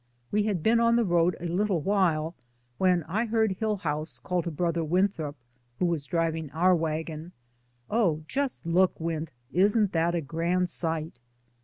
We had been on the road a little while when I heard Hill house call to Brother Winthrop — who was driving our wagon — "Oh, just look, Wint. Isn't that a grand sight?"